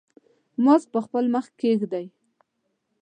ماسک په خپل مخ کېږدئ.